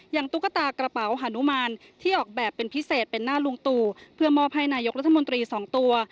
ตุ๊กตากระเป๋าฮานุมานที่ออกแบบเป็นพิเศษเป็นหน้าลุงตู่เพื่อมอบให้นายกรัฐมนตรีสองตัว